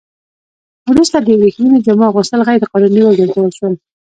وروسته د ورېښمينو جامو اغوستل غیر قانوني وګرځول شول.